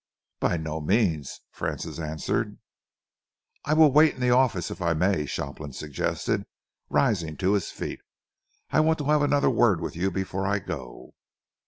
"By no means," Francis answered. "I'll wait in the office, if I may," Shopland suggested, rising to his feet. "I want to have another word with you before I go."